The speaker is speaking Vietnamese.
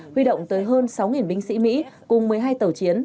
huy động tới hơn sáu binh sĩ mỹ cùng một mươi hai tàu chiến